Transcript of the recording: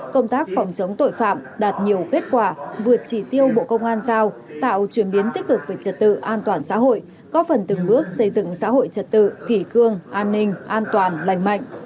công tác phòng chống tội phạm đạt nhiều kết quả vượt chỉ tiêu bộ công an giao tạo chuyển biến tích cực về trật tự an toàn xã hội có phần từng bước xây dựng xã hội trật tự kỷ cương an ninh an toàn lành mạnh